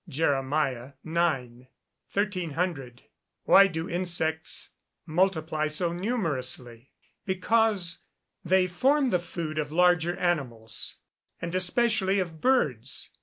JER. IX.] 1300. Why do insects multiply so numerously? Because they form the food of larger animals, and especially of birds.